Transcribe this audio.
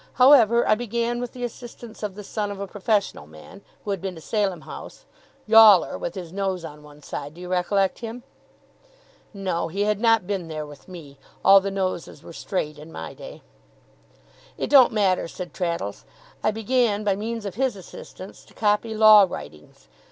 However, I began, with the assistance of the son of a professional man, who had been to Salem House Yawler, with his nose on one side. Do you recollect him?' No. He had not been there with me; all the noses were straight in my day. 'It don't matter,' said Traddles. 'I began, by means of his assistance, to copy law writings.